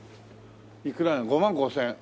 いくら５万５０００円。